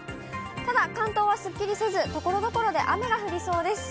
ただ、関東はすっきりせず、ところどころで雨が降りそうです。